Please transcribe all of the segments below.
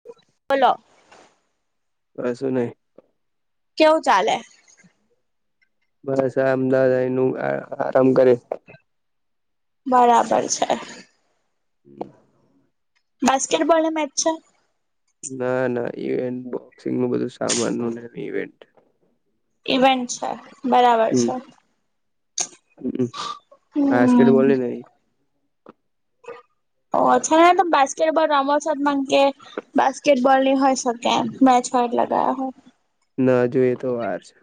[inaudible] Follow સું નહી કેવું ચાલે બસ આ અમદાવાદાઈ નું આરામ કરે બરાબર છે. હમ બાસ્કેટબોલ હ મેચ છે. ના ના ઇવેન્ટ બોક્સિંગ નું બધું સામાન ન ને એ ઇવેન્ટ ઇવેન્ટ છે બરાબર છે. હમજકેટ હમ બોલલી નને ઓ્છા મ બાસ્કેટબોલ રમો છત મકે બાસ્કેટબોલ ની હોય શકેમ મેચ હોટ લ ગાયા હોય. ના જોઈએ તો વાર છે.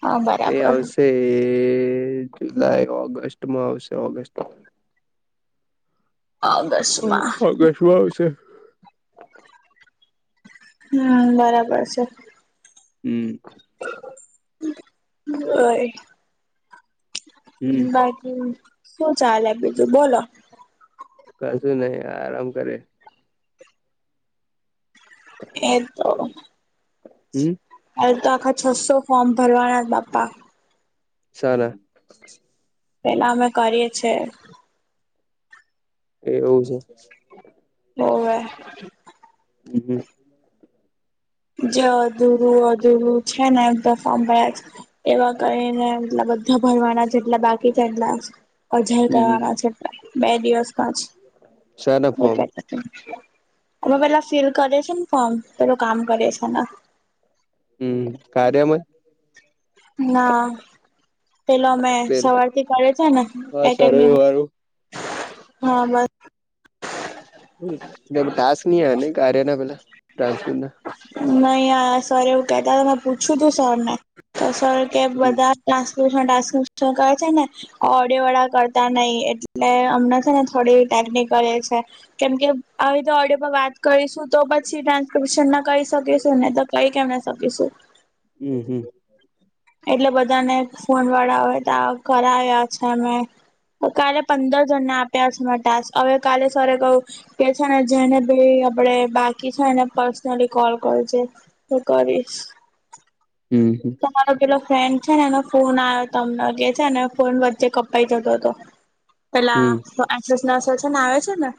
હા એ બરાબર આવશે એ જુલાઈ ઓગસ્ટમાં આવશે ઓગસ્ટ અગસ્ટમાં ઓગસ્ટમાં આવશે હમ બરાબર છે. હમ્મ એ હમ બાકી શું ચાલે બીજું બોલો કશું નહી આરામ કરે એ તો હમ. અરે તો, આખા છસો ફોર્મ ભરવાના પાપા સરસ પેલા અમે કરીએ છ છેએ એ એવું છે. ઓવે હ. જે અધૂરું અધરું છે ને એક દફા ભ એવા કરીને એટલા બધા ભરવાના જેટલા બાકી છે, એટલા અજય હમ કરવાના છે, બે દિવસમાં સારા જ એ ફોર્મ કે અમે પેલા ફિલ કરે છે ને ફોર્મ પેલું કામ કરે છે, ને હમ કારરે્યમ ના પેલો અમે પેલ સવારથી કરે છે, ને હા એકેડમી સર્વે વાળું હા, બસ. ટાસ્ક ન ન કાર્યાના પેલા ટસના નહી સર એવું કેતા હતા મેં પૂછ્યું તું સર ને તો સર કે હમ બધા ટ્રાન્સપોર્ન ટ્રાન્સપર્ન કરે છે, ને. ઓડવાળા કરતા નહિ એટલે અમણાં છે, ને થોડી ટેકનિકલ એ છે. કેમકે આવી તો ઓડિયો પર વાત કરીશું તો બ ડન્પશન ના કહી શકીશું ને તો કઈ કેમ ના શકીશું હમ, હમ એટલે બધાને ફોન વાળા હોય તો ઘ આવ્યા છે, અમે? તો કાલે પંદર જણને આપ્યા છેને ટાસ્ક હવે કાલે સરરે કહું એ છે, ને જેને ભ આપણેે બાકી છે, એને પર્સનલી કોલ કર છે. હું કરીશ હમ. રો કેેલો ફ્રેન્ડ છે, ને એનો ફોન આવ્યો હતો અમને છે, અને ફોન વચ્ચે કપાઈ જતો હતો. પેલા હમ હમ એસ નર્સ છે ને આવે છે, ને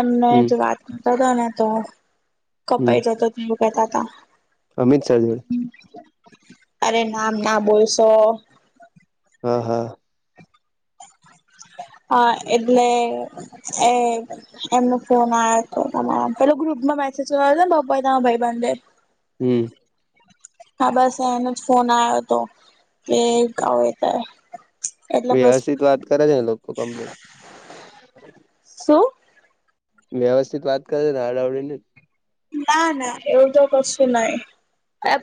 એમને હમ વાત તા ને તો કપાઈ હમ જતો તે એવું કતા હતા. અમિત શાહ જોડે અરે નામ ના બોલશો હા, હા. હા એટલે એ એમનો ફોન આવ હતો તમારા પેલો ગ્રુપમાં મેસેજ્યો ને પપાાઈ તમા ભાઈ બંધે હમ. હા, બસ એનો જ ફોન આવ્યો હતો કે ક ત વ્યવસ્થિત વાત કરે છે, ને લોકો કમ્પ્લીટ શું વ્યવસ્થિત વાત કરેને હડાવડી ને ના, ના એવું તો કશું નહી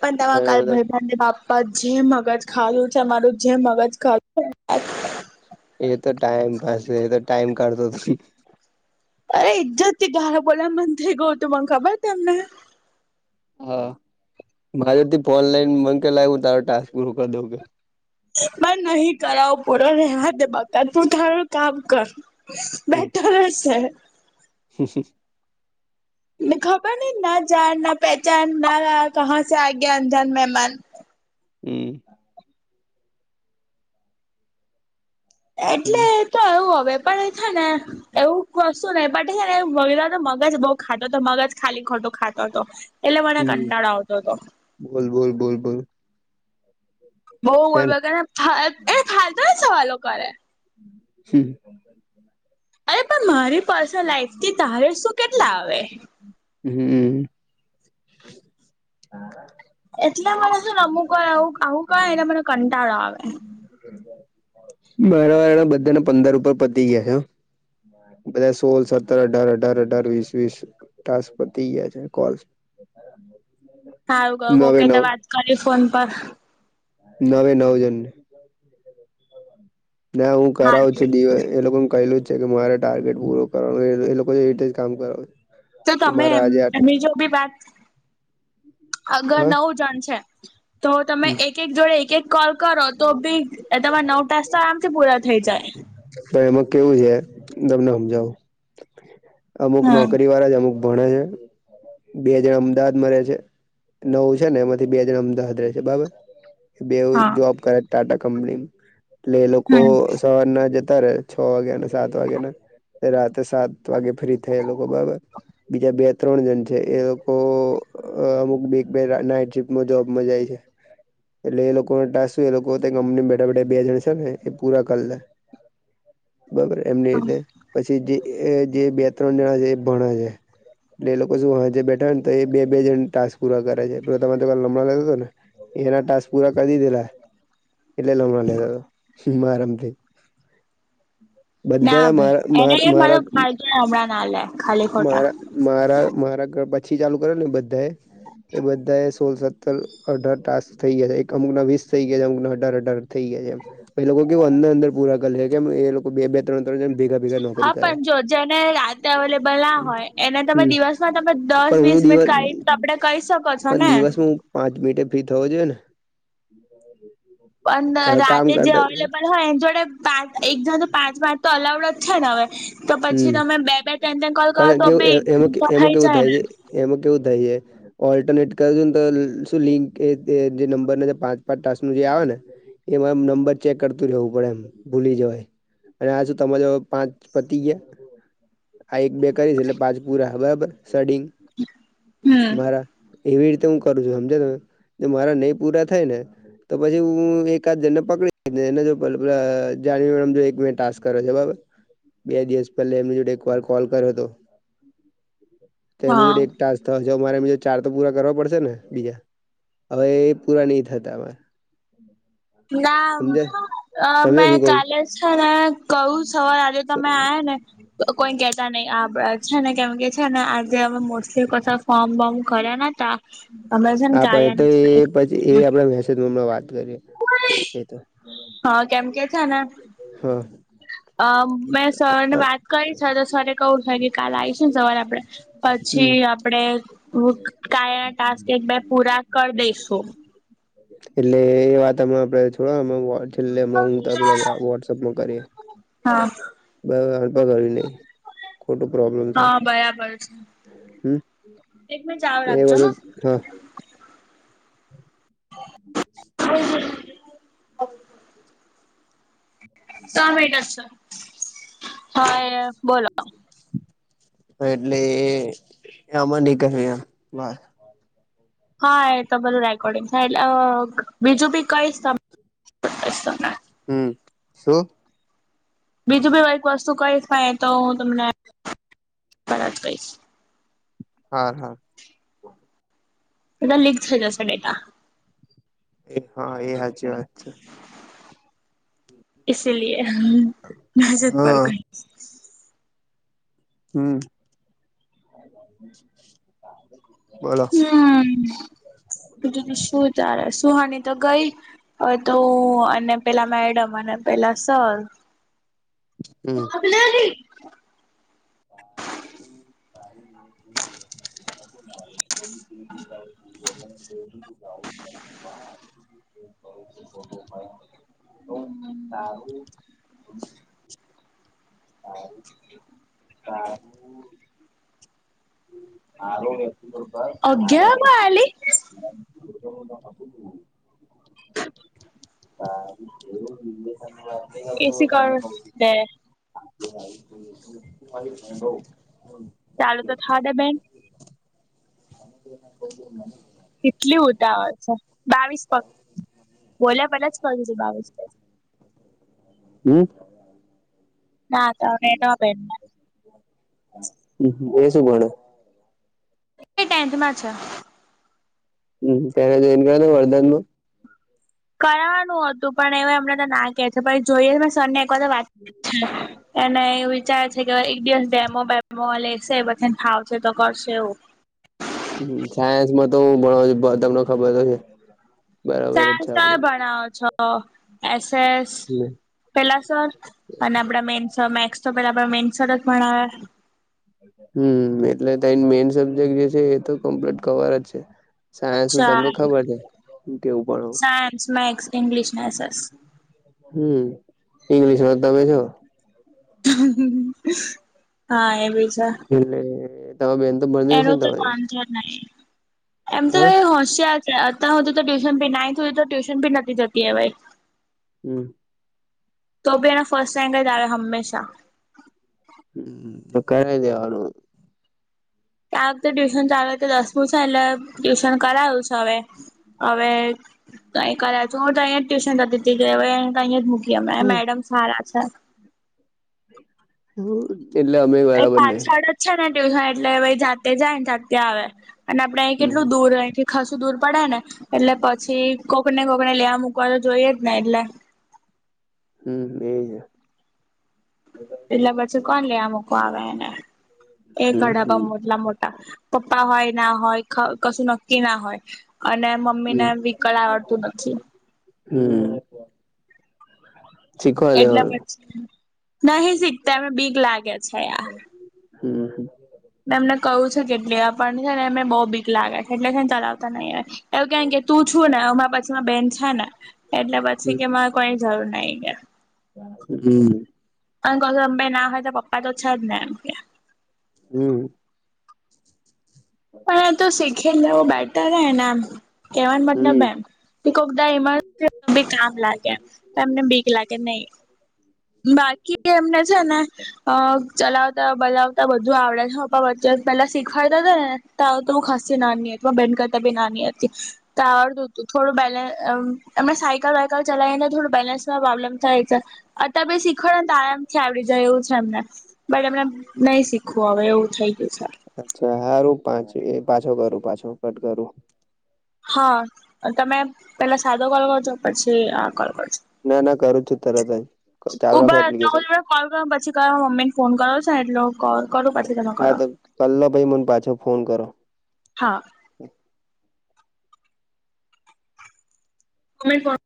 પણ તેમાં કાલ બધા ભયભંધ્ય બાપ પણ જે મગજ ખાું છે. મામારું જે મગજ ખાું એ તો ટાઈમ પાસે એ તો ટાઈમ કઢતો ત અરે ઇજત થી ગાાર બોલ્યાને મન થઇ ગયું તું મને ખબર તમને હા, મારેથી ફોન લઈન મકેલા આવું તાર ટાસ્ક ગૂરું કરી દઉં કે બ નહી કરાવો પૂરો રવા દ બકત તું તારું કામ કર હમ બેટર છે. [unintelligible] ખબર નહી ના જાન ના પહેચાન ના ક સ આગે અનજાન મહેમાન હમ્મ હમ એટલે તો એવું હવે પણ છે ને એવું વસ્તુ ને પણ છેને, એ વગેરા તો મગજ બઉ ખાટો તો મગજ ખાલી ખોટો ખાતો હતો એટલે મને હમ કંટાળો આવતો હતો બોલ બોલ બોલ બોલ બહ ગરબ હેને ને એને ખાલતા જ સવાલો કરે [inaudible] અરે પણ મારી પર્સનલ લાઈફથી તારી શું કેટલા આવે હમ્મ હા એટલે મને શું અમુંકું આવું કણ એલે મને કંટાળો આવે મારા વાળાના બધાના પંદર ઉપર પતી ગયા છેો. બધા સોલ સત્તર અઢાર અઢાર અઢાર વીસ વીસ ટ પી ગયા છે. કોલ હારું નવે ઓકે તો નવ વાત કરી ફોન પર નવે નવ જને ના હું કરાવું છુ, હા દિવ એ લોકો કલ છ. કે મારે ટાર્ગેટ પૂરો કરવાનું એ લોકો એ રીતે જ કામ કર છે. તો તમે એ એમની જો બી વાત અગર હા નવું જાણશે તો તમે એક એક જોડે એક એક કોલ કરો તો બી તમારે નવ ટાસ તો આમથી પૂરા થઈ જાય. પણ એમાં કેવું છે, તમને સમજાવું અમુક હમ નોકરી વાળા જ અમુક બણે છે. બે જણ અમદાવાદ માં રહે છે નવું છેને, એમાંથી બે જણ અમદાવાદ ર છે, બરાબર બેવું હા જોબ કરે ટાટા કંપની એટલે એ લોકો હમ સવાર ના જતા રે છ. વાગ્યાને સાત વાગ્યા ને રાતે સાત વાગે ફ્રી થયા લોકો બરાબર બીજા બે ત્રણ જણ છે, એ લોકો અ અમુક બે બે નાઈટ શિફ જોબમાં જાય છે. એટલે એ લોકોને ટાસ્ક એ લોકો કંપની બેઠા બેઠા બે જણ છેને, એ પૂરા કરી લે બબર એમની રીતે પછી જે જે બે ત્રણ જણા છે એ ભણે છે. એટલે એ લોકો શું હજે બેઠા ને તો એ બે જણ ટાસ્ક પૂરા કરે છે પ તમા તો ક લમણા લાગતો હતો ને એના ટાસપુરા કદી દેલા એટલે લમણા લેધ આરામથી બધા મારા મારા હમણા નાલે મારા મારા મારા ઘર પછી ચાલુ કરે બધાએ એ બધા એ સોલ સત્તર અઢાર ટાસ થઈ ગયા છે એક અમુકના વીસ થઈ ગયા છે. અમુક અઢાર અઢાર થઇ ગયા છે એમ એ લોકો કેવું અંદર અંદર પૂરા કરે છે. કેમ એ લોકો બે બે ત્રણ ત્રણમ ભેગા ભેગા હા નોકરી કરાય પણ જો જેને અવેલેબલ ના હોય એને તમે હમ દિવસમાં તમે દસ પણ વીસ હું દિવસ મિનિટ કાઢી આપડે કહી શકો છો. પણ ને દિવસમાં હું પાંચ મિનિટે ફી થવો જોઈએ ને પણ કામ રાતે જે કરતા અવેલેબલ હ એ જોડે પાંચ એક જા પાંચ વાર તો અલાઉડ જ છેને હવે તો હમ પછી તમે બે બે તેન ન કોલ કરો પણ તો કેવું એ એમાં કે ભીફર એમાં થાઈ કેવું જાય, થાય ને છે એમાં કેવું થાય છે. ઓલ્ટરનેટ કરશું ને તો શું લિંક એ જે નંબર જે પાંચ પાંચ ટાસ ન જે આવે ને એમાંમ નંબર ચેક કરતું રહેવું પડે એમ ભૂલી જવાય અને આ શ તમારે જો પાંચ આ એક બે કરીશ એટલે પાંચ પુરા બરાબર સડીિંગ હમ મારા એવી રીતે હું કરું છું, સમજો તમે મારા નહીં પૂરા થાય ને તો પછી હું, એકાદ જને પકડી એને જો જા જો એક બે ટાસ્ક કરે છે. બરાબર બે દિવસ પહેલા એમની જોડે એક વાર કોલ કર્યો હતો તો એમની જોડે એક હા ટક તો હજ મારેજ ચાર તો પૂરા કરવા પડશે ને બીજા હવે એ પૂરા નહીં થતાં. ના સમજે મેં શું કઉ કાલે છે, ને કહું સવારે આ તમે આ ને કોઈ કેતા નહી આ છે, ને કેમ કે છે, ને આજે ત મોસ્ટલી કસ ફોર્મ બર્મ કર ત હા પણ એ તો એ પછી એ આપડ મેસેજમાં વાત કરીએ. એ તો હા કેમ કે છે એને હા. અમ મે સર ને વાત કરી છે તો સર કવું થાય કે કાલ આવીશ ને સવારે આપડે હમ. આપણે કયા ટાસ્ક એક બે પૂરા કરી દઈસું. એટલે એ વાતમાં આપડે થોડમાં છેલ્લેમ હું પેલા વોટસઅપમાં કરીએ. હા. બ હડપા કરવી નહ ખોટું પ્રોબ્લેમ થાય. હા બરાબર છે હમ. એક મં ચાવ એ રાખજો ને બધું હા હ સ મહિના છ બોલો બ એટલે આમાં નહી કર્યું એ વા હા એ તો બધું રેકોર્ડિંગ થાય એટલે, બીજું બી કઈશ ત હમ શું બીજું બી કઈક વસ્તુ કઈ હોાય તો હું તમને જ કહીશ હા, હા. એધા લીક થઈ જશે ડેટા એ હા, એ હજ વાત છે. લિ હસ્જિદ પર હા ગ હમ, બોલો. હમ બધીધી શું તારે સુહાની તો ગઈ. હવે તો અને પેલા મેડમ અને પેલા સર હમ [inaudible] તો સારું હા. નાલ એ રૂપ ર [inaudible] અગિયાર માં આલી હા એવુંશની વાત ન કરતો એસી કર તને દે [inaudible] ચાલો તો થાડાા બેક [inaudible] કેટલી ઉતાવળ છે, બાવીસ પ બોલ્યા પેલા જ કરું છું બાવીસ પ હમ. ના તો એટ પે હ એ શું ગણ. એ ટેન્થમાં છે. હ ત્યારે જઈને ગ વરદાન માં કરવાનું હતું પણ એ એમને તો ના કે છે, પણછ જોઈએ મે સર ને એક વાર વાત હમ પ્લી એને એવું વિચારે છે, કે એક દિવસ ડેમો બેેમો લેશે પછીને ખાવશે તો કરશે એવું. સાયન્સ માં તો હું ભણ છ તમને ખબર તોશે બરાબર. સેન્સાર ભણાવો છો તો એસએસ આપડું પેલા સર અને- આપડા મેન સર મેક્સ તો પેલા મેનસર જના. હમ્મ એટલે ત મેઈન સબ્જેક્ટ જે છે, એ તો કમ્પ્લીટ કવર જ છે. સાયન્સ નું તમને ખબર છે, હ કેવું ભણો ટાન્સ મેક્સ ઈગ્લિશ નાસસ હમ ઇંગ્લિશ તમે છો હા, એ ભી. એટલે તમાર બેન તો ભને એનું સેન તો તમારી બેન એમ તો એ હોશિયા અતા હોતુ તો ટ્યુશન ભી નાઇન થુઈ તો ટ્યુશન ભી નથી જતી હવે હમ. તો બી એને ફર્સ્ટ ટાઈમ તારે હંમેશા. હ તો કરાઈ દેવાનું. કે આ વખતે ટ્યુશન ચાલુ આ વખતે દસવું છે. એટલે ટ્યુશન કરાયુ છે, હવે હવે તો અહી કરે છ, હું તો અહીં જ ટ્યુશન જતીતી કે અહીંયા જ મૂકીયા અમે મેડમ સારા છે. હમ. એટલે અમે એ બરાબર નઈ પાછળ જ છે ને ટ્યુશન એટલે પહી જા તે જાયને ત્યાર ત્યા આવે અને આપડે અહી હમ કેટલું દૂર રહેથી ખશું દૂર પડે ને એટલે પછી કોકને કોકને લેવા મૂકવા તો જોઈએ જ ને એટલે હમ્મ એ જ. એટલે પછી, કોણ લેવા મૂકો આવે એને, એક હમ ઘડા હમ પણ મોટલા મોટા પપ્પા હોય ના હોય કશું નક્કી ના હોય અને મ મમ્મી ને વિકળ આવડતું નથી. હમ્મ. એટલે પછી નહી શીખતા અને બીક લાગે છે, યાર હમ્મ હ. મે એમને કહું છું, કેટલે આપણ છેને મે બહુ બીક લાગે એટલે હેને કઈ ચલાવતા નહીં. એવું કેવાન કે તું છું ને અમા પછી અમાં બેન છે, ને- એટલે પછી કે મારે કોઈ જરૂર નઈ કે હમ્મ. અન કોતો અંબાઈ ના હોય તો પપ્પા તો છે, જ ને એમ કે હમ્મ. પણ એ તો શીખીને લવું બેટર હને એમ કેવાનો મતલબ હમ એમ કોકા દા ઈમા મી કામ લાગે એ તો એમને બીક લાગે નઈ બાકી એમને છે, ને અ ચલાવતા બલાવતા બધું આવડે છે, પપ્પા વચ્ચે પેલા શીખવાડતા હતા ને. તા હુતો ખાસી નાની બેન કરતા બી નાની તા આવડતું થોડું બેલેન્સ એમને સાયકલ વાયકલ ચલાવીને થોડું બેલેન્સમાં પ્રોબ્લેમ થાય છે. અત્યારે બી શીખડ ત આરામથી આવડી જાય એવું છે, એમને બટ એમને નહી શીખવું હવે એવું થઈ ગયું છે. અચ્છા હારુ, પાંચ એ પાછો કરું પાછો કટ કરુ હા, તમે પેલા સાદો કોલ કરજો પછી આ કોલ કરજો ના ના કરું છુ, તરત જ ચાલુ રાખો ઉભા તો હું એપ્લિકેશન તમને કોલ કર પછી કરો મમ્મીને ફોન કરો છેને, એટલો કોલ કરો પાછો તમન હા, તો કલ્લો પહી મન પાછો ફોન કરો હા કોમે